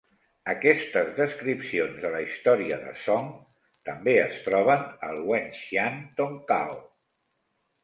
Aquestes descripcions de la "Història de Song" també es troben al "Wenxian Tongkao".